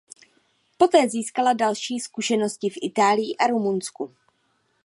Poté získala další zkušenosti v Itálii a Rumunsku.